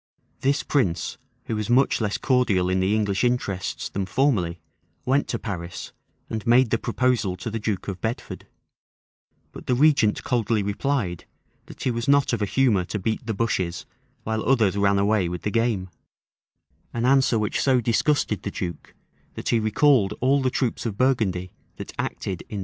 This prince, who was much less cordial in the English interests than formerly, went to Paris, and made the proposal to the duke of Bedford; but the regent coldly replied, that he was not of a humor to beat the bushes while others ran away with the game; an answer which so disgusted the duke, that he recalled all the troops of Burgundy that acted in the siege.